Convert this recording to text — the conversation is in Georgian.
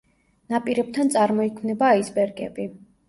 ნაპირებთან წარმოიქმნება აისბერგები.